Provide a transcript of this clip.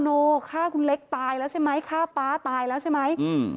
โนฆ่าคุณเล็กตายแล้วใช่ไหมฆ่าป๊าตายแล้วใช่ไหมอืม